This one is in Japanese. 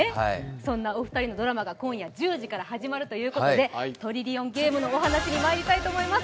そんなお二人のドラマが今夜１０時から始まるということで、「トリリオンゲーム」のお話に入りたいと思います。